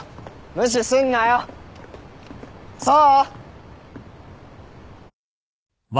無視すんなよ想！